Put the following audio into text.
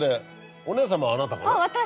お姉様あなたかな？